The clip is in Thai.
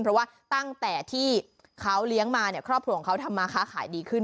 เพราะว่าตั้งแต่ที่เขาเลี้ยงมาเนี่ยครอบครัวของเขาทำมาค้าขายดีขึ้น